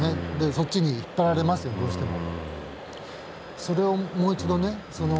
そっちに引っ張られますよねどうしても。